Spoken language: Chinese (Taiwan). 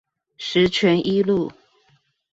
十全一路